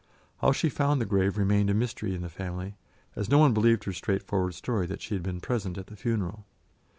How she found the grave remained a mystery in the family, as no one believed her straightforward story that she had been present at the funeral.